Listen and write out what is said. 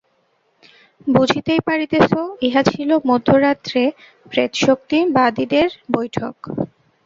বুঝিতেই পারিতেছ, ইহা ছিল মধ্যরাত্রে প্রেতশক্তি-বাদীদের বৈঠক।